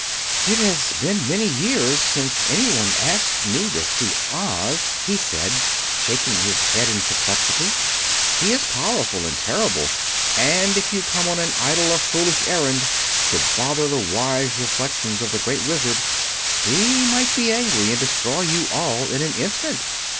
"It has been many years since anyone asked me to see Oz," he said, shaking his head in perplexity. "He is powerful and terrible, and if you come on an idle or foolish errand to bother the wise reflections of the Great Wizard, he might be angry and destroy you all in an instant."